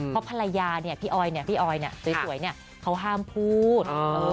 เพราะภรรยาที่นี่พี่ออยนี่เจ๋วเนี่ยเขาห้ามพูด